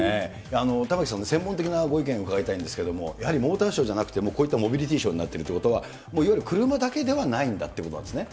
玉城さん、専門的なご意見伺いたいんですけど、やはりモーターショーじゃなくて、こういったモビリティショーになっているということは、いわゆる車だけではないということなんですね。